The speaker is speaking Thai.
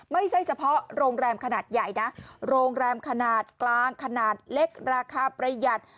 ไม่ใช่เฉพาะโรงแรมขนาดใหญ่นะโรงแรมขนาดกลางขนาดเล็กราคาประหยัด